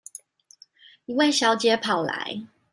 一位小姐跑來